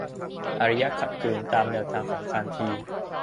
อารยะขัดขืน ตามแนวทางของคานธี